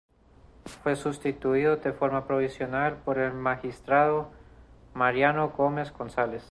Fue sustituido de forma provisional por el magistrado Mariano Gómez González.